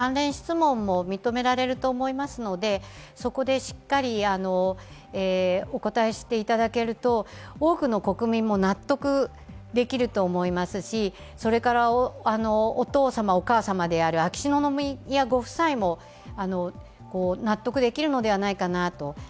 質疑応答もありますし、関連質問も認められると思いますのでそこでしっかりお答えしていただけると、多くの国民も納得できると思いますしそれからお父様、お母様である秋篠宮ご夫妻も納得できるのではないかなと。